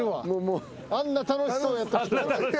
あんな楽しそうやったのに。